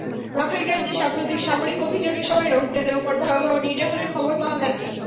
Rakhine রাজ্যে সাম্প্রতিক সামরিক অভিযানের সময় রোহিঙ্গাদের ওপর ভয়াবহ নির্যাতনের খবর পাওয়া গেছে।